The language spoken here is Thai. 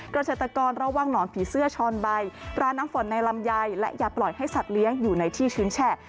เกษตรกรระวังหนอนผีเสื้อชอนใบร้านน้ำฝนในลำไยและอย่าปล่อยให้สัตว์เลี้ยงอยู่ในที่ชื้นแฉะ